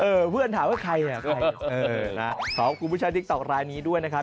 เออเพื่อนถามว่าใครนะขอบคุณผู้ชายติ๊กต๊อกลายนี้ด้วยนะครับ